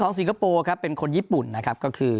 สิงคโปร์ครับเป็นคนญี่ปุ่นนะครับก็คือ